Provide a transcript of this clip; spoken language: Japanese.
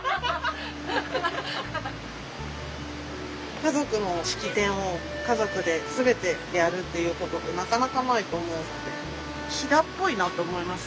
家族の式典を家族で全てやるっていうことってなかなかないと思うので飛騨っぽいなと思います。